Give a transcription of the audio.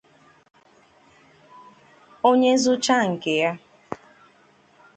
Onye zụcha nke ya